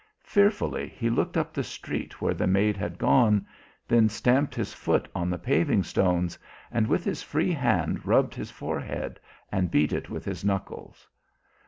Fearfully he looked up the street where the maid had gone, then stamped his foot on the paving stones and with his free hand rubbed his forehead and beat it with his knuckles.